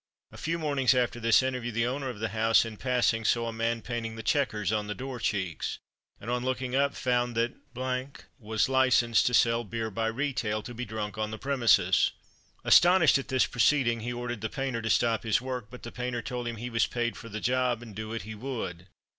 A few mornings after this interview, the owner of the house, in passing, saw a man painting the chequers on the door cheeks, and on looking up found that " was licensed to sell beer by retail, to be drunk on the premises." Astonished at this proceeding, he ordered the painter to stop his work, but the painter told him he was paid for the job, and do it he would.